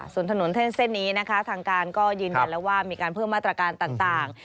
ส่วนถนนเส้นนี้นะคะทางการก็ยืนยันแล้วว่ามีการเพิ่มมาตรการต่าง